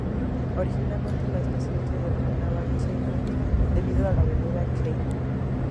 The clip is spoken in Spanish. Originalmente la estación se denominaba "Canning", debido a la Avenida Canning.